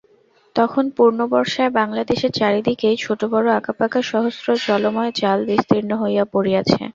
তখন পূর্ণবর্ষায় বাংলাদেশের চারি দিকেই ছোটো বড়ো আঁকাবাঁকা সহস্র জলময় জাল বিস্তীর্ণ হইয়া পড়িয়াছে।